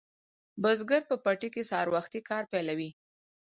بزګر په پټي کې سهار وختي کار پیلوي.